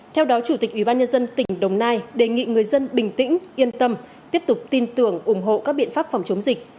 theo đó chủ tịch ubnd tỉnh đồng nai đề nghị người dân bình tĩnh yên tâm tiếp tục tin tưởng ủng hộ các biện pháp phòng chống dịch